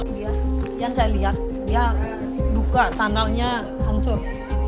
dia yang saya lihat dia buka sandalnya hancur